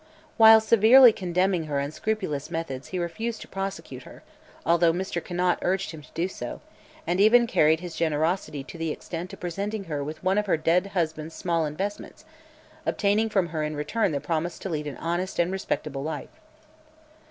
While severely condemning her unscrupulous methods he refused to prosecute her, although Mr. Conant urged him to do so, and even carried his generosity to the extent of presenting her with one of her dead husband's small investments, obtaining from her in return the promise to lead an honest and respectable life.